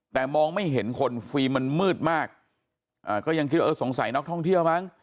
แต่มองไม่เห็นคนฟิล์มมันมืดมากอ่าก็ยังคิดว่าเออสงสัยนักท่องเที่ยวมั้ง